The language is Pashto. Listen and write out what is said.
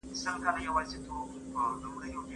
دا حل د بلې لارې څخه ښه دی.